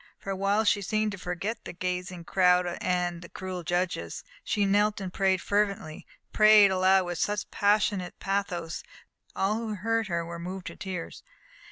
For a while she seemed to forget the gazing crowd and the cruel judges. She knelt and prayed fervently prayed aloud with such passionate pathos, that all who heard her were moved to tears.